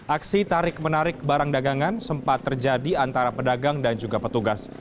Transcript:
aksi tarik menarik barang dagangan sempat terjadi antara pedagang dan juga petugas